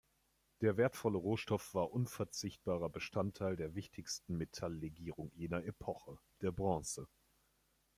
Der wertvolle Rohstoff war unverzichtbarer Bestandteil der wichtigsten Metalllegierung jener Epoche, der Bronze.